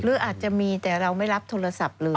หรืออาจจะมีแต่เราไม่รับโทรศัพท์เลย